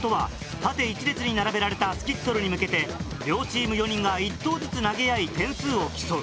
縦一列に並べられたスキットルに向けて両チーム４人が１投ずつ投げ合い点数を競う。